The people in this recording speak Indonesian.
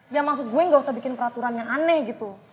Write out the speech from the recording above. ya maksud gue gak usah bikin peraturan yang aneh gitu